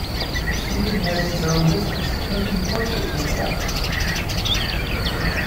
Steven has his own business: painting portraits of pets.